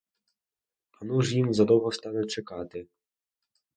Ану ж їм задовго стане чекати!